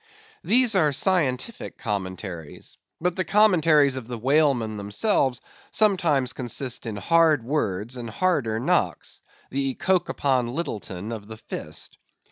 These are scientific commentaries; but the commentaries of the whalemen themselves sometimes consist in hard words and harder knocks—the Coke upon Littleton of the fist.